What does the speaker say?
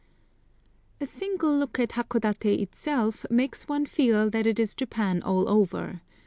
A single look at Hakodaté itself makes one feel that it is Japan all over.